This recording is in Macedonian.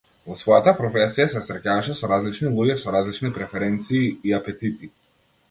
Во својата професија се среќаваше со различни луѓе, со различни преференции и апетити.